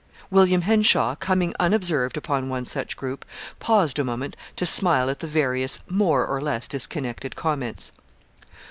William Henshaw, coming unobserved upon one such group, paused a moment to smile at the various more or less disconnected comments.